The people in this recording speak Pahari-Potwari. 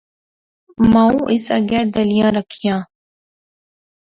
مائو اس اگے دلیلاں رکھیاں